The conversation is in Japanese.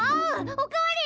お代わり！